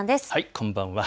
こんばんは。